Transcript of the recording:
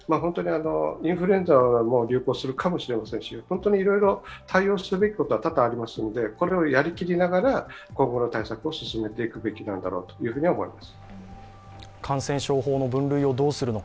インフルエンザも流行するかもしれませんしいろいろ対応するべきことは多々ありますのでこれをやり切りながら今後の対策を進めていくべきなんだろうと思います。